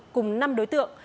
cùng năm đối tượng